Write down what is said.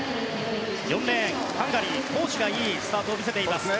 ４レーン、ハンガリーのコーシュがいいスタートを見せました。